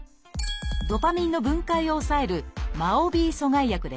ドパミンの分解を抑える「ＭＡＯ−Ｂ阻害薬」です。